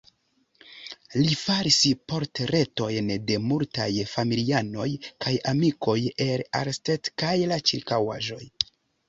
Li faris portretojn de multaj familianoj kaj amikoj el Arnstadt kaj la ĉirkaŭaĵoj.